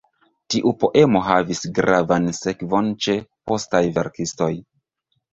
Tiu poemo havis gravan sekvon ĉe postaj verkistoj.